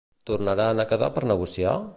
Tornaran a quedar per negociar?